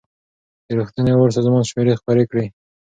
د روغتیا نړیوال سازمان شمېرې خپرې کړې.